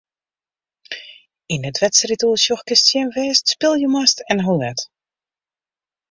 Yn it wedstriidoersjoch kinst sjen wêr'tst spylje moatst en hoe let.